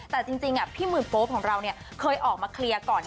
แต่จริงพี่หมื่นโป๊ปของเราเคยออกมาเคลียร์ก่อน